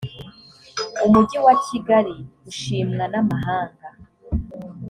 umujyi wa kigali ushimwa namahanga.